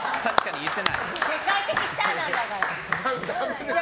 世界的スターなんだから。